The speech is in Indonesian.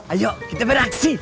ayo kita beraksi